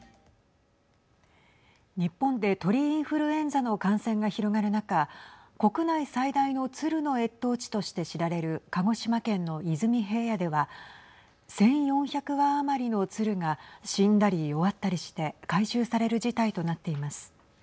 日本で鳥インフルエンザの感染が広がる中国内最大の鶴の越冬地として知られる鹿児島県の出水平野では１４００羽余りの鶴が死んだり弱ったりして回収される事態となっています。